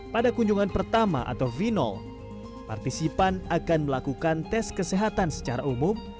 pada kunjungan pertama atau v partisipan akan melakukan tes kesehatan secara umum